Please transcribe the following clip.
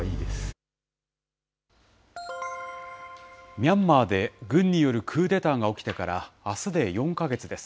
ミャンマーで軍によるクーデターが起きてからあすで４か月です。